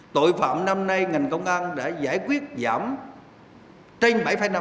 tội phạm năm nay ngành công an đã giải quyết giảm trên bảy năm